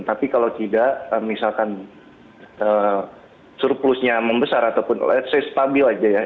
tapi kalau tidak misalkan surplusnya membesar ataupun let's say stabil aja ya